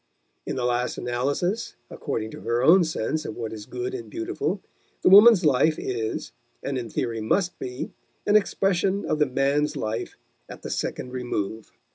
In the last analysis, according to her own sense of what is good and beautiful, the woman's life is, and in theory must be, an expression of the man's life at the second remove.